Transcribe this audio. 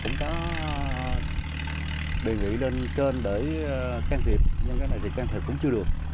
cũng đã đề nghị lên kênh để can thiệp nhưng cái này thì can thiệp cũng chưa được